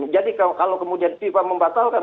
jadi kalau kemudian fifa membatalkan